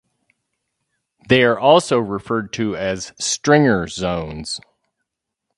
They are also referred to as "stringer zones".